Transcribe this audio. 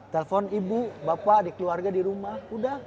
telpon ibu bapak adik keluarga di rumah